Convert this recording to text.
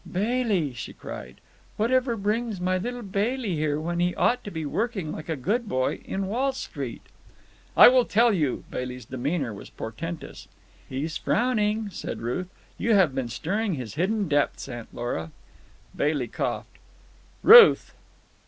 "Bailey!" she cried. "Whatever brings my little Bailey here, when he ought to be working like a good boy in Wall Street?" "I will tell you," Bailey's demeanour was portentous. "He's frowning," said Ruth. "You have been stirring his hidden depths, Aunt Lora!" Bailey coughed. "Ruth!"